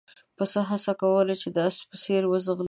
پسه هڅه کوله چې د اس په څېر وځغلي.